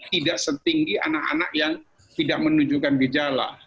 tidak setinggi anak anak yang tidak menunjukkan gejala